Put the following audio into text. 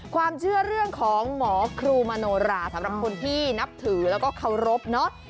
ความเชื่อเรื่องของหมอครูมโนราสำหรับคนที่นับถือแล้วก็เคารพเนาะ